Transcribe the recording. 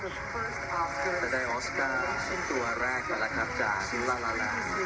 แต่ได้ออสเกอร์ตัวแรกมาแล้วครับจากชิงลาลาลา